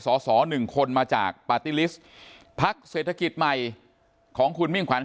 สสหนึ่งคนมาจากปาร์ตี้ลิสต์พักเศรษฐกิจใหม่ของคุณมิ่งขวัญ